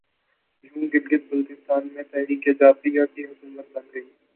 یوں گلگت بلتستان میں تحریک جعفریہ کی حکومت بن گئی